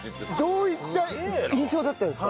どういった印象だったんですか？